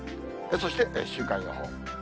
そして週間予報。